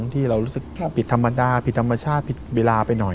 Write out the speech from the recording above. ที่เรารู้สึกผิดธรรมดาผิดธรรมชาติผิดเวลาไปหน่อย